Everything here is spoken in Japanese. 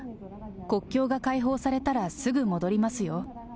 国境が開放されたらすぐ戻りますよ。